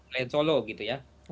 lain solo gitu ya